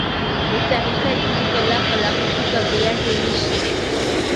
Utahitaji jiko lako la kupikia viazi lishe